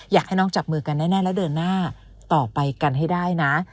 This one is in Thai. อยากให้น้องจับมือกันแน่แล้วเดินหน้าต่อไปกันให้ได้นะ